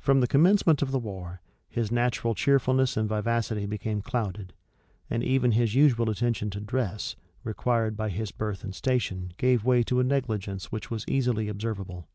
From the commencement of the war, his natural cheerfulness and vivacity became clouded; and even his usual attention to dress, required by his birth and station gave way to a negligence which was easily observable.